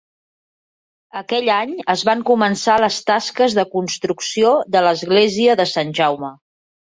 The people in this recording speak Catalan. Aquell any es van començar les tasques de construcció de l'església de Sant Jaume.